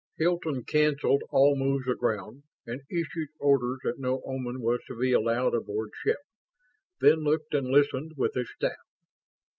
Hilton canceled all moves aground and issued orders that no Oman was to be allowed aboard ship, then looked and listened with his staff.